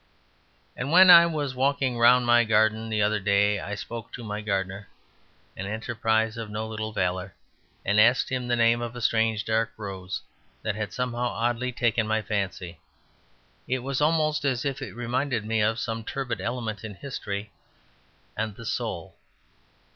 And when I was walking round my garden the other day I spoke to my gardener (an enterprise of no little valour) and asked him the name of a strange dark rose that had somehow oddly taken my fancy. It was almost as if it reminded me of some turbid element in history and the soul.